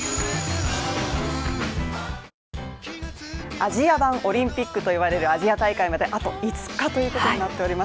アジア版オリンピックといわれるアジア大会まであと５日ということになっています。